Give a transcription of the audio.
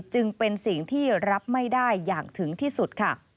จึงเป็นสิ่งที่รับไม่ได้อย่างถึงที่สุดค่ะ